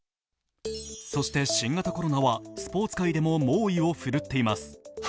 そして新型コロナはスポーツ界でも猛威を振るっています。